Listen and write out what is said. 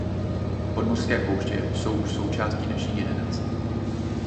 Podmořské pouště jsou už součásti naší generace.